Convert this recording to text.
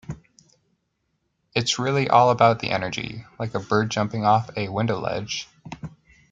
It's really all about the energy--like a bird jumping off a window ledge.